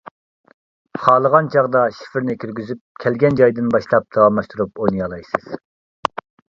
خالىغان چاغدا شىفىرنى كىرگۈزۈپ كەلگەن جايدىن باشلاپ داۋاملاشتۇرۇپ ئوينىيالايسىز.